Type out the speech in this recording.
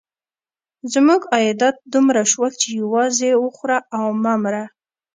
زموږ عایدات دومره شول چې یوازې وخوره او مه مره.